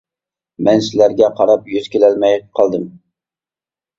مەن سىلەرگە قاراپ يۈز كېلەلمەي قالدىم.